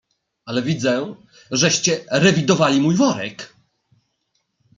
"Ale widzę, żeście rewidowali mój worek?"